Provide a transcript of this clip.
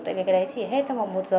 tại vì cái đấy chỉ hết trong vòng một giờ